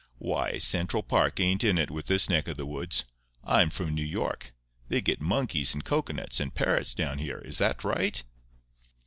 Why, Central Park ain't in it with this neck of the woods. I'm from New York. They get monkeys, and cocoanuts, and parrots down here—is that right?"